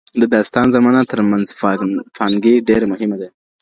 د داستان زمانه تر منځپانګې ډېره مهمه ده.